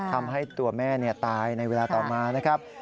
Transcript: ทำให้ตัวแม่ตายในเวลาต่อมานะครับ